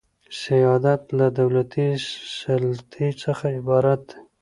سیادت له دولتي سلطې څخه عبارت دئ.